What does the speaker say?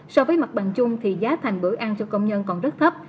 so với mặt bằng chung thì giá thành bữa ăn cho công nhân còn rất thấp